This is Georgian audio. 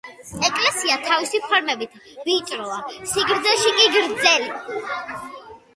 ეკლესია თავისი ფორმებით ვიწროა, სიგრძეში კი გრძელი.